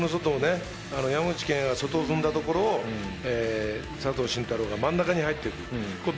山口拳矢が外を踏んだところを佐藤慎太郎が真ん中に入ってくる。